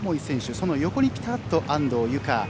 その横にぴたっと安藤友香。